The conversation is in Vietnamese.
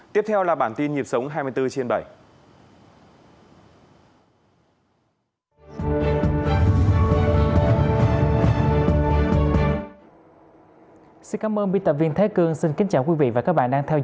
tiếp theo là bản tin nhịp sách